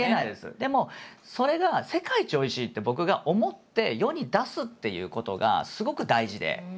でもそれが世界一おいしいって僕が思って世に出すっていうことがすごく大事で。